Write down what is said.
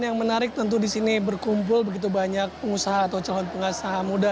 yang menarik tentu di sini berkumpul begitu banyak pengusaha atau calon pengusaha muda